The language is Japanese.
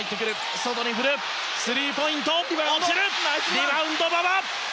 リバウンド、馬場！